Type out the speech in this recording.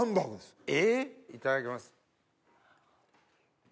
いただきます。